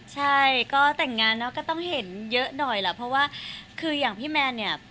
ใช่ก็แต่งงานเนอะก็ต้องเห็นเยอะหน่อยแหละเพราะว่าคืออย่างพี่แมนเนี่ย